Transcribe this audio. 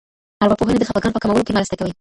ارواپوهنه د خپګان په کمولو کې مرسته کوي.